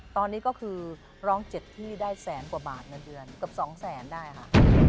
ตอนนี้ก็คือร้องเจ็ดที่ได้แสนกว่าบาทในเดือนกับสองแสนได้ค่ะ